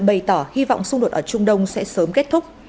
bày tỏ hy vọng xung đột ở trung đông sẽ sớm kết thúc